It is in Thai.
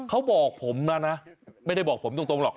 เขาบอกผมนะนะไม่ได้บอกผมตรงหรอก